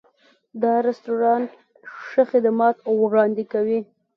دا رستورانت ښه خدمات وړاندې کوي.